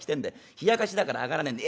ひやかしだから上がらねえんだ』。